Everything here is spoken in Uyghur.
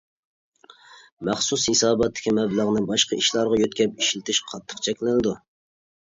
مەخسۇس ھېساباتتىكى مەبلەغنى باشقا ئىشلارغا يۆتكەپ ئىشلىتىش قاتتىق چەكلىنىدۇ.